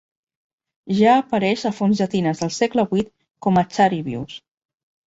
Ja apareix a fonts llatines del segle VIII com a Charivius.